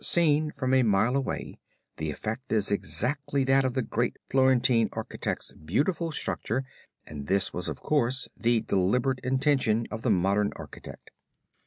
Seen from a mile away the effect is exactly that of the great Florentine architect's beautiful structure and this was of course the deliberate intention of the modern architect.